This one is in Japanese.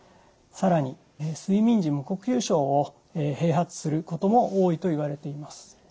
更に睡眠時無呼吸症を併発することも多いといわれています。